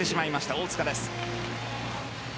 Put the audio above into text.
大塚です。